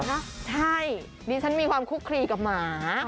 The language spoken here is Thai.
ใช่ดิฉันมีความคุกคลีกับหมา